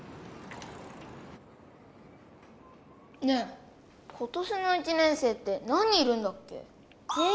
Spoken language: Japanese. ねえ今年の一年生って何人いるんだっけ？